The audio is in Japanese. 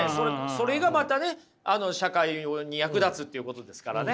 それがまたね社会に役立つっていうことですからね。